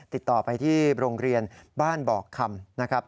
ติดต่อไปที่โรงเรียนบ้านบอกคำนะครับ